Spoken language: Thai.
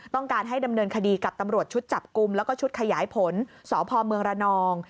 ต้องการให้ดำเนินคดีกับตำรวจชุดจับกลุ่มแล้วก็ชุดขยายผลสพเมืองระนอง